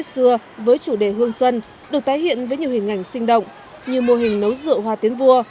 xưa với chủ đề hương xuân được tái hiện với nhiều hình ảnh sinh động như mô hình nấu rượu hoa tiến vua